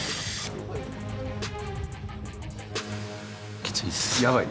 きついです。